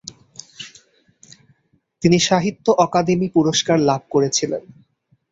তিনি সাহিত্য অকাদেমি পুরস্কার লাভ করেছিলেন।